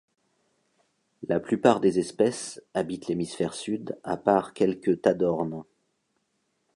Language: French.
La plupart des espèces habitent l'hémisphère sud à part quelques tadornes.